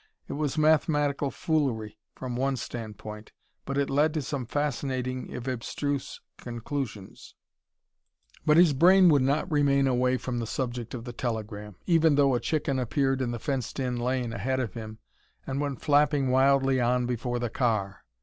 It was mathematical foolery, from one standpoint, but it led to some fascinating if abstruse conclusions. But his brain would not remain away from the subject of the telegram, even though a chicken appeared in the fenced in lane ahead of him and went flapping wildly on before the car.